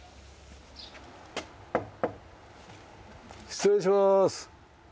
失礼しまーす。